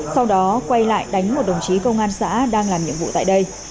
sau đó quay lại đánh một đồng chí công an xã đang làm nhiệm vụ tại đây